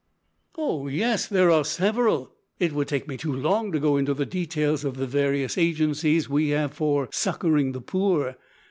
"Oh! yes, there are several, it would take me too long to go into the details of the various agencies we have for succouring the poor.